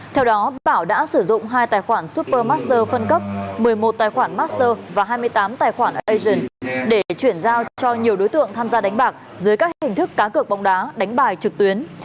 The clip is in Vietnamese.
theo đó bảo đã sử dụng hai tài khoản super master phân cấp một mươi một tài khoản master và hai mươi tám tài khoản asian để chuyển giao cho nhiều đối tượng tham gia đánh bạc dưới các hình thức cá cược bóng đá đánh bài trực tuyến